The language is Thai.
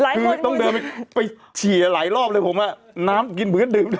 คือต้องเดินไปฉีกหลายรอบเลยน้ำกินเผื่อดื่ม